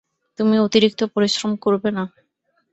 তুমি অতিরিক্ত পরিশ্রম করবে না।